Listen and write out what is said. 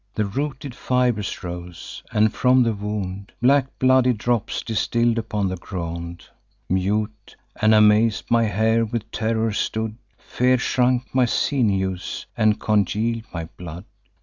The rooted fibers rose, and from the wound Black bloody drops distill'd upon the ground. Mute and amaz'd, my hair with terror stood; Fear shrunk my sinews, and congeal'd my blood.